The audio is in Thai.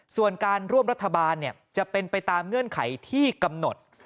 ส่วนการร่วมรัฐบาลจะเป็นไปตามเงื่อนไขที่กำหนด